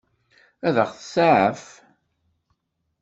Ad ɣ-tseɛef?